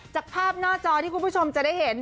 จากภาพหน้าจอที่คุณผู้ชมจะได้เห็น